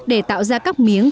để tạo ra các miếng